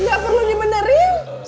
nggak perlu dimenerin